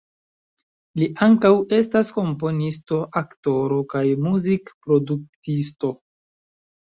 Li ankaŭ estas komponisto, aktoro kaj muzikproduktisto.